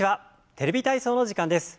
「テレビ体操」の時間です。